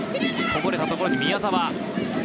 こぼれたところ、宮澤。